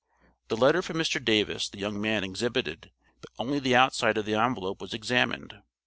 The letter from Mr. Davis the young man exhibited, but only the outside of the envelope was examined.